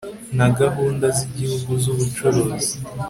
na gahunda z igihugu z ubucuruzi